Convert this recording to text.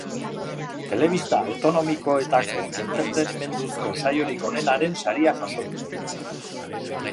Telebista autonomikoetako entretenimenduzko saiorik onenaren saria jaso du.